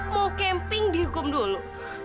mau camping dihukum dulu